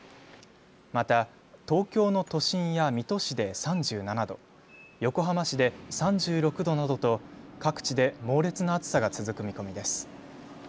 また東京の都心や水戸市で３７度横浜市で３６度などと各地で猛烈な暑さが続く見込みです。